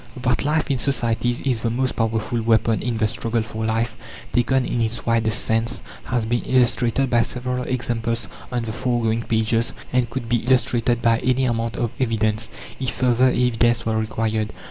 That life in societies is the most powerful weapon in the struggle for life, taken in its widest sense, has been illustrated by several examples on the foregoing pages, and could be illustrated by any amount of evidence, if further evidence were required.